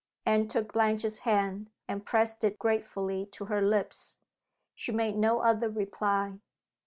Anne took Blanche's hand, and p ressed it gratefully to her lips. She made no other reply.